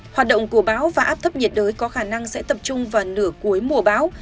hoạt động của bão và áp thấp nhiệt đới có khả năng sẽ tập trung vào nửa cuối mùa bão